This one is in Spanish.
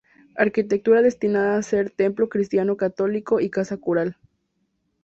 Arquitectura destinada a ser templo cristiano católico y casa cural.